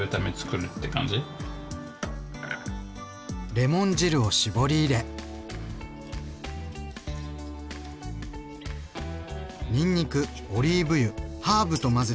レモン汁を搾り入れにんにくオリーブ油ハーブと混ぜたら出来上がり。